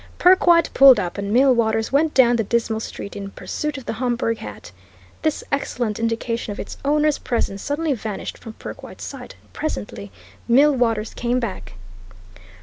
Perkwite pulled up, and Millwaters went down the dismal street in pursuit of the Homburg hat. This excellent indication of its owner's presence suddenly vanished from Perkwite's sight, and presently Millwaters came back.